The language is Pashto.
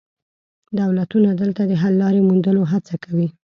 دولتونه دلته د حل لارې موندلو هڅه کوي